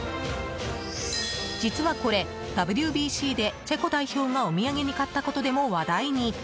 実はこれ、ＷＢＣでチェコ代表がお土産に買ったことでも話題に。